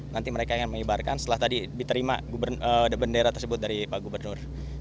nanti mereka yang mengibarkan setelah tadi diterima bendera tersebut dari pak gubernur